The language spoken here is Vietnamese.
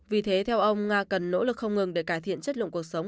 vì thế theo ông nga cần nỗ lực không ngừng để cải thiện chất lượng cuộc sống